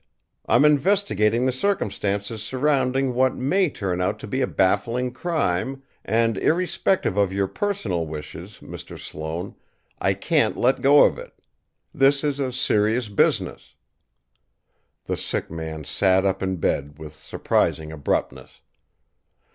I'm investigating the circumstances surrounding what may turn out to be a baffling crime, and, irrespective of your personal wishes, Mr. Sloane, I can't let go of it. This is a serious business " The sick man sat up in bed with surprising abruptness.